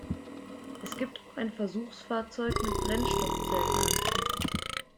Es gibt auch ein Versuchsfahrzeug mit Brennstoffzellen-Antrieb.